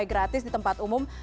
gratis di tempat umum